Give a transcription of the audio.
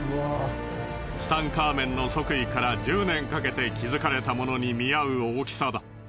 ツタンカーメンの即位から１０年かけて築かれたものに見合う大きさだ。